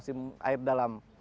musim hujan musim air dalam